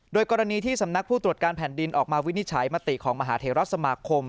โดยกรณีที่สำนักผู้ตรวจการแผ่นดินออกมาวินิจฉัยมติของมหาเทราสมาคม